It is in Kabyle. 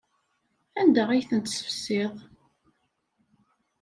Anda ay tent-tessefsiḍ?